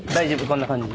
こんな感じ。